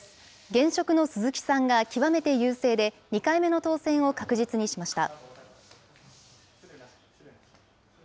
現職の鈴木さんが極めて優勢で、２回目の当選を確実にしました。